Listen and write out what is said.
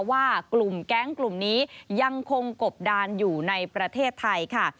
ว่ากลุ่มแก๊งกลุ่มนี้ยังคงกบดานอยู่ในประเทศไทยค่ะ